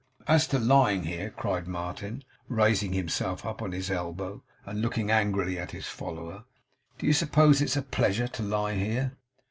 'As to lying here,' cried Martin, raising himself on his elbow, and looking angrily at his follower. 'Do you suppose it's a pleasure to lie here?